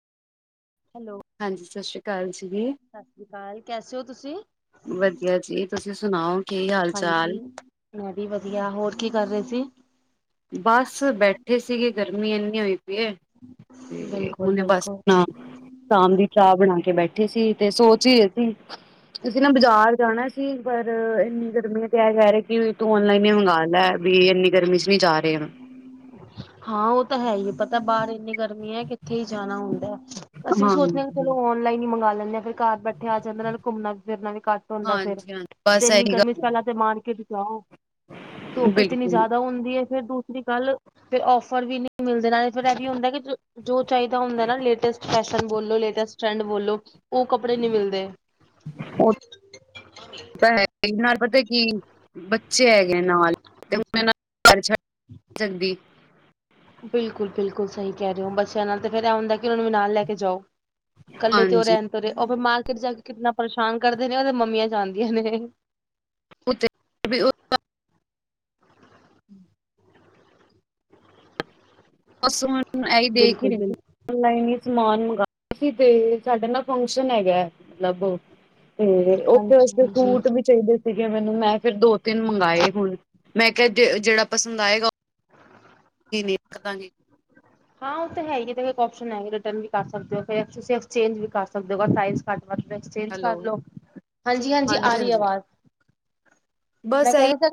[inaudible] ਹਾਂਜੀ ਸਤਿ ਸ਼੍ਰੀ ਅਕਾਲ ਜੀ। ਸਤਿ ਸ੍ਰੀ ਅਕਾਲ ਕੈਸੇ ਹੋ ਤੁਸੀਂ? ਵਧੀਆ ਜੀ ਤੁਸੀਂ ਸੁਣਾਓ ਕੀ ਹਾਲ ਚਾਲ? ਹਾਂਜੀ ਮੈਂ ਵੀ ਵਧੀਆ ਹੋਰ ਕੀ ਕਰ ਰਹੇ ਸੀ? ਬਸ ਬੈਠੇ ਸੀਗੇ ਗਰਮੀ ਇੰਨੀ ਹੋਈ ਪੀ ਏ ਤੇ ਹੁਣੇ ਬਸ ਬਿਲਕੁਲ-ਬਿਲਕੁਲ। ਸੁਣਾ ਸ਼ਾਮ ਦੀ ਚਾਹ ਬਣਾ ਕੇ ਬੈਠੇ ਸੀ ਤੇ ਸੋਚ ਹੀ ਰਹੇ ਸੀ। ਅਸੀਂ ਨਾ ਬਾਜ਼ਾਰ ਜਾਣਾ ਸੀ ਪਰ ਇੰਨੀ ਗਰਮੀ ਤੇ ਐਹ ਕਹਿ ਰਹੇ ਕਿ, ਤੂੰ ਔਨਲਾਈਨ ਹੀ ਮੰਗਾ ਲੈ ਵੀ ਇੰਨੀ ਗਰਮੀ ਚ ਨੀ ਜਾ ਰਹੇ। ਹਾਂ ਉਹ ਤਾਂ ਹੈ ਹੀ ਹੈ ਪਤਾ ਬਾਹਰ ਇੰਨੀ ਗਰਮੀ ਹੈ ਕਿੱਥੇ ਹੀ ਜਾਣਾ ਹੁੰਦਾ। ਅਸੀਂ ਵੀ ਹਾਂਜੀ ਸੋਚਦੇ ਹਾਂ ਕਿ ਚਲੋ ਔਨਲਾਈਨ ਹੀ ਮੰਗਾ ਲੈਂਨੇ ਆ ਫੇਰ। ਘਰ ਬੈਠੇ ਆ ਜਾਂਦੇ ਨਾਲ ਘੁੰਮਣਾ ਫਿਰਨਾ ਵੀ ਘੱਟ ਹੁੰਦਾ ਫੇਰ, ਹਾਂਜੀ ਹਾਂਜੀ ਤੇ ਬਸ ਇੰਨੀ ਇਹੀ ਗਰਮੀ ਚ ਗੱਲ ਪਹਿਲਾਂ ਤੇ ਮਾਰਕੀਟ ਜਾਓ, ਧੁੱਪ ਇਤਨੀ ਬਿਲਕੁਲ ਜ਼ਿਆਦਾ ਹੁੰਦੀ ਹੈ ਫੇਰ ਦੂਸਰੀ ਗੱਲ, ਫੇਰ ੳਫਰ ਵੀ ਨੀ ਮਿਲਦੇ ਨਾ, ਇਹੀ ਹੁੰਦਾ ਜੋ ਚਾਹੀਦਾ ਹੁੰਦਾ ਨਾ ਲੇਟਸਟ ਫੈਸ਼ਨ ਬੋਲੋ ਲੇਟੈਸਟ ਟ੍ਰੈਂਡ ਬੋਲੋ, ਉਹ ਕੱਪੜੇ ਨੀ ਮਿਲਦੇ। ਉਹ ਤਾਂ ਹੈ ਨਾਲ ਪਤਾ ਕੀ। ਬੱਚੇ ਹੈਗੇ ਨਾਲ ਤੇ ਹੁਣ ਹਾਂਜੀ ਇਨਾਂ ਨੂੰ ਘਰ ਛੱਡ ਜਾਂਦੀ। ਬਿਲਕੁੱਲ ਬਿਲਕੁੱਲ ਸਹੀ ਕਹਿ ਰਹੇ ਹੋ ਬੱਚਿਆਂ ਨਾਲ ਤੇ ਫੇਰ ਇਹ ਹੁੰਦਾ ਕਿ ਉਹਨਾਂ ਨੂੰ ਵੀ ਨਾਲ ਲੈ ਕੇ ਜਾਓ। ਇਕੱਲੇ ਤੇ ਉਹ ਹਾਂਜੀ ਰਹਿਣ ਤੋਂ ਰਹੇ ਉਹ ਫਿਰ ਮਾਰਕੀਟ ਜਾ ਕੇ ਕਿੰਤਨਾ ਪਰੇਸ਼ਾਨ ਕਰਦੇ ਨੇ ਉਹਦੇ ਮੰਮੀਆਂ ਜਾਂਣਦੀਆਂ ਨੇ। [inaudible] [inaudible] ਬਸ ਹੁਣ ਐ ਇ ਦੇਖ ਹੀ ਬਿਲਕੁਲ ਰਹੇ ਸੀ। ਬਿਲਕੁਲ ਆਨਲਾਈਨ ਹੀ ਸਮਾਨ ਮੰਗਵਾਇਆ ਸੀ ਤੇ ਸਾਡੇ ਨਾ ਫੰਕਸ਼ਨ ਹੈਗਾ ਮਤਲਬ, ਤੇ ਉੱਥੇ ਹਾਂਜੀ ਵਾਸਤੇ ਹਾਂਜੀ। ਸੂਟ ਵੀ ਚਾਹੀਦੇ ਸੀ। ਸੀਗੇ ਮੈਨੂੰ ਮੈਂ ਫਿਰ ਦੋ ਤਿੰਨ ਮੰਗਾਏ ਹੁਣ ਮੈਂ ਕਿਹਾ ਜਿਹੜਾ ਪਸੰਦ ਆਏਗਾ ਓਹ, [unintelligible] ਹਾਂ ਉਹ ਤਾਂ ਹੈਗੀ ਤੇ ਵੇ ਏਕ ਓਪਸ਼ਨ ਹੈ ਰਿਟਰਨ ਵੀ ਕਰ ਸਕਦੇ ਹੋ ਫੇਰ ਤੁਸੀਂ ਐਕਸਚੇਂਜ ਵੀ ਕਰ ਸਕਦੇ ਹੋ ਬਸ ਸਾਇਜ, ਘੱਟ ਵੱਧ ਹੈ। ਐਕਚੇਂਜ ਕਰ ਹੈਲੋ ਲਓ ਹਾਂਜੀ ਹਾਂਜੀ ਆ ਰਹੀ ਆਵਾਜ਼। ਬਸ ਇਹੀ [unintelligible]